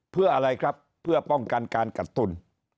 เพื่ออะไรครับเพื่อป้องกันการกัดทุน